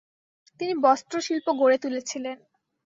তিনি বস্ত্রশিল্প গড়ে তুলেছিলেন।